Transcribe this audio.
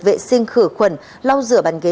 vệ sinh khử khuẩn lau rửa bàn ghế